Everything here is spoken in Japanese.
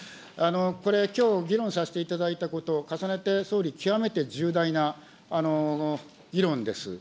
これ、きょう議論させていただいたこと、重ねて総理、極めて重大な議論です。